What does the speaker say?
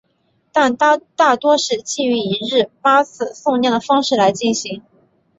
但大多是基于一日八次诵念的方式来进行。